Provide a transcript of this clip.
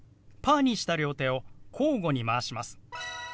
パーにした両手を交互にまわします。